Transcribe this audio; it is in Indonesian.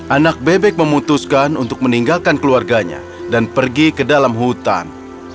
anak bebek memutuskan untuk meninggalkan keluarganya dan pergi ke dalam hutan